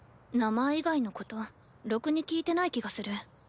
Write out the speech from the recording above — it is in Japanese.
名前以外のことろくに聞いてない気がする。